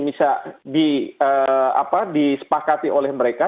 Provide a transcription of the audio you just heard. bisa di apa disepakati oleh mereka